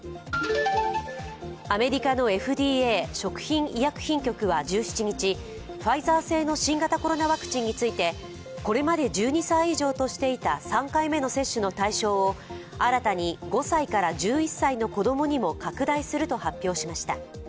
アメリカのＦＤＡ＝食品医薬品局は１７日、ファイザー製の新型コロナウイルスワクチンについてこれまで１２歳以上としていた３回目の接種の対象を新たに５歳から１１歳の子どもにも拡大すると発表しました。